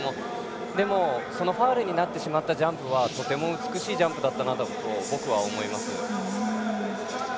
でもファウルになってしまったジャンプはとても美しいジャンプだったと僕は思います。